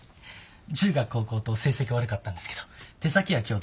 中学高校と成績悪かったんですけど手先は器用だったんで。